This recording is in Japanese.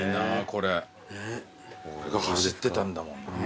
これが走ってたんだもんな。